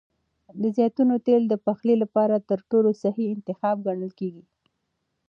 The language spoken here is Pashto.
د زیتون تېل د پخلي لپاره تر ټولو صحي انتخاب ګڼل کېږي.